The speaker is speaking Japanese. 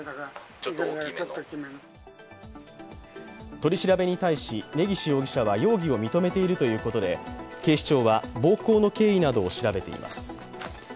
取り調べに対し、根岸容疑者は容疑を認めているということで警視庁は暴行の経緯などを調べています。